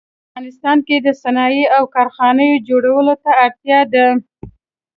افغانستان کې د صنایعو او کارخانو جوړولو ته اړتیا ده